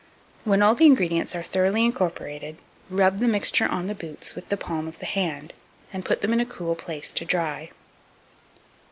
When all the ingredients are thoroughly incorporated, rub the mixture on the boots with the palm of the hand, and put them in a cool place to dry.